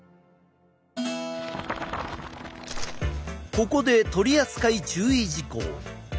ここで取扱注意事項。